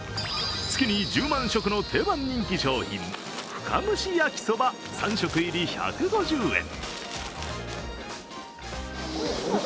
月に１０万食の定番人気商品、深蒸し焼きそば３食入り、１５０円。